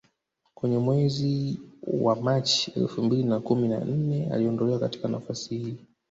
Kwenye mwezi wa Machi elfu mbili na kumi na nne aliondolewa katika nafasi hii